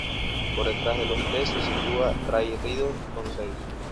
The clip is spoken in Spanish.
Por detrás de los tres se sitúa Ray Reardon con seis.